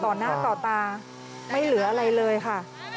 ต่อหน้าต่อตานี่ไม่เหลออะไรเลยค่ะ